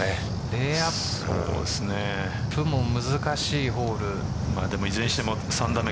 レイアップも難しいホールいずれにしても３打目。